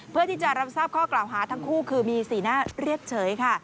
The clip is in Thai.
เพื่อที่จะรับทราบข้อกล่าวหาทั้งคู่คือมีสีหน้าเรียบเฉยค่ะ